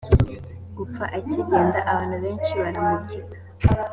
gupfa akigenda abantu benshi baramubyiga